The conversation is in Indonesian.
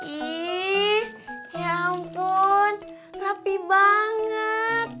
ih ya ampun rapi banget